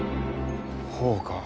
ほうか。